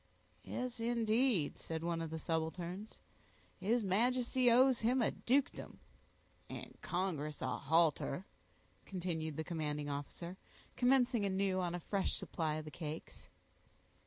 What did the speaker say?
"Yes, indeed," said one of the subalterns, "his Majesty owes him a dukedom." "And congress a halter," continued the commanding officer commencing anew on a fresh supply of the cakes.